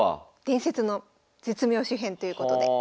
「伝説の絶妙手編」ということで。